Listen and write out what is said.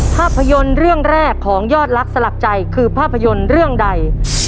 ภาพยนตร์เรื่องแรกของยอดรักสลักใจคือภาพยนตร์เรื่องใด